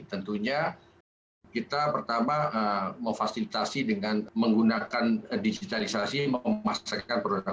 tentunya kita pertama memfasilitasi dengan menggunakan digitalisasi memasarkan produk